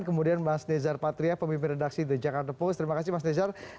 kemudian mas nezar patria pemimpin redaksi the jakarta post terima kasih mas nezar